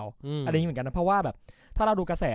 อะไรอย่างนี้เหมือนกันนะเพราะว่าแบบถ้าเราดูกระแส